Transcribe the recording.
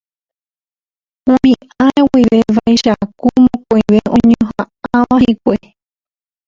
Umi ára guive vaicháku mokõive oñoha'ãva hikuái